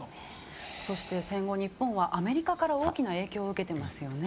そして戦後、日本はアメリカから大きな影響を受けていますね。